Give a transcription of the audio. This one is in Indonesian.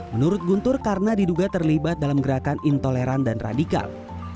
menurut guntur karena diduga terlibat dalam gerakan intoleran dan radikal